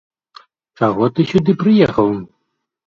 Чаго ты сюды прыехаў?